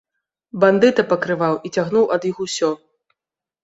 Бандыта пакрываў і цягнуў ад іх усё.